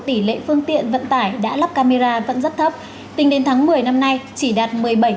tỷ lệ phương tiện vận tải đã lắp camera vẫn rất thấp tính đến tháng một mươi năm nay chỉ đạt một mươi bảy